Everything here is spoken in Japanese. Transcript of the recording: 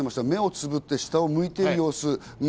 目をつぶって、下を向いている様子。